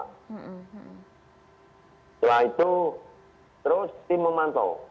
setelah itu terus tim memantau